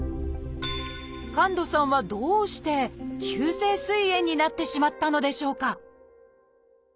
神門さんはどうして急性すい炎になってしまったのでしょうか？